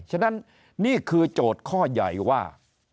ฉะนั้นนี่คือโจทย์ข้อใหญ่ว่า